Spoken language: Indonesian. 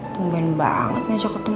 tungguin banget ngajak ketemu